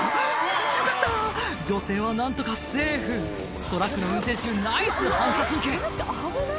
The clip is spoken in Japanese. よかった女性は何とかセーフトラックの運転手ナイス反射神経